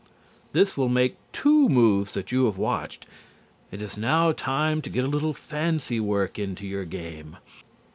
This will make two moves that you have watched. It is now time to get a little fancy work into your game.